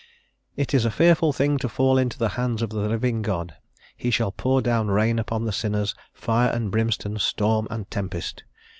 "It is a fearful thing to fall into the hands of the living God: he shall pour down rain upon the sinners, fire and brimstone, storm and tempest."